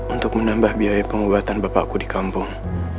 untuk menambah biaya pengobatan bapakku di kampung